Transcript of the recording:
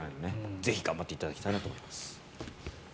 ぜひ頑張っていただきたいなと思います。